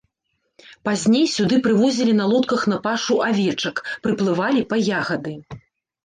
Пазней сюды прывозілі на лодках на пашу авечак, прыплывалі па ягады.